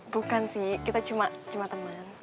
bukan sih kita cuma teman